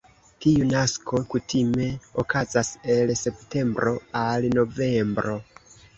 Tiu nasko kutime okazas el septembro al novembro.